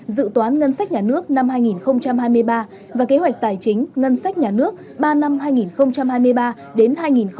dự toán ngân sách nhà nước năm hai nghìn hai mươi ba và kế hoạch tài chính ngân sách nhà nước ba năm hai nghìn hai mươi ba đến hai nghìn hai mươi năm